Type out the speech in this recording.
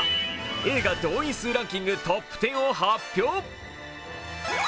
映画動員数ランキングトップ１０を発表。